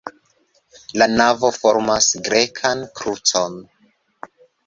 La navo formas grekan krucon.